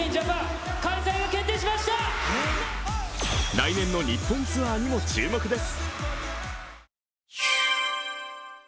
来年の日本ツアーにも注目です。